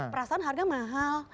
perasaan harga mahal